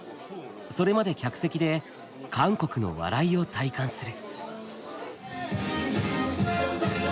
それまで客席で韓国の笑いを体感する。